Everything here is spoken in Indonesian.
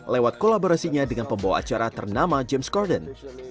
lewat kolaborasinya dengan pembawa acara ternama james corden